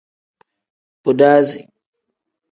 Bodasi.